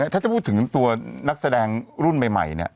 ถ้าจะพูดถึงตัวนักแสดงรุ่นใหม่เนี่ย